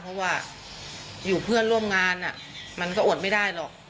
เพราะว่าอยู่เพื่อนร่วมงานมันก็อดไม่ได้หรอก